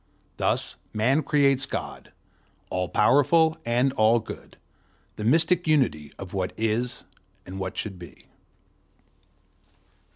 Thus Man creates God, all powerful and all good, the mystic unity of what is and what should be.